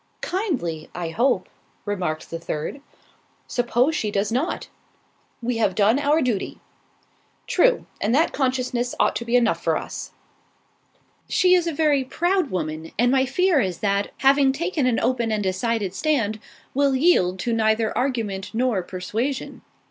"Kindly, I hope," remarked the third. "Suppose she does not?" "We have done our duty." "True. And that consciousness ought to be enough for us." "She is a very proud woman, and my fear is that, having taken an open and decided stand, will yield to neither argument nor persuasion.